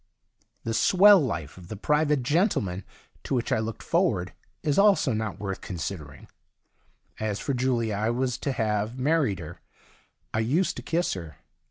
The swell life of the 18 THE DIARY OF A GOD private gentleman^ to which I looked forward^ is also not worth consider ing. As for Julia, I was to have married her ; I used to kiss her.